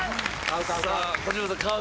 さあ児嶋さん買う？